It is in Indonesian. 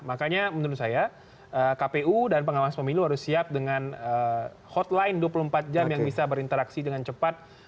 makanya menurut saya kpu dan pengawas pemilu harus siap dengan hotline dua puluh empat jam yang bisa berinteraksi dengan cepat